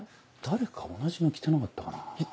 誰か同じの着てなかったかな？